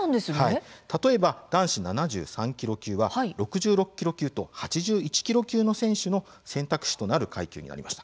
例えば、男子７３キロ級は６６キロ級と８１キロ級の選手の選択肢となる階級になりました。